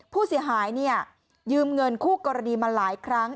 ผู้เสียหายยืมเงินคู่กรณีมาหลายครั้ง